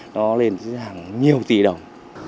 nó lên nhiều tỷ đồng